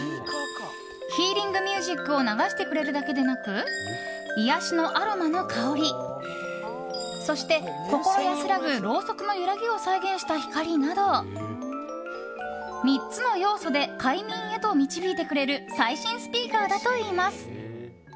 ヒーリングミュージックを流してくれるだけでなく癒やしのアロマの香りそして、心安らぐろうそくの揺らぎを再現した光など、３つの要素で快眠へと導いてくれる最新スピーカーだといいます。